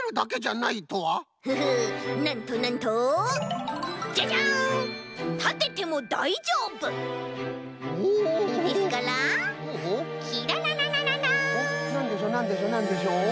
なんでしょうなんでしょうなんでしょう？